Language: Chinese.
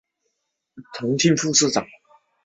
后任重庆市副市长。